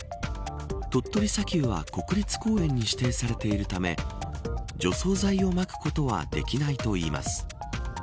鳥取砂丘は国立公園に指定されているため除草剤をまくことはできないといいます。